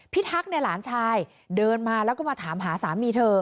ทักษ์เนี่ยหลานชายเดินมาแล้วก็มาถามหาสามีเธอ